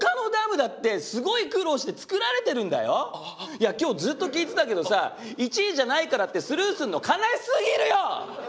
いや今日ずっと聞いてたけどさ１位じゃないからってスルーすんの悲しすぎるよ！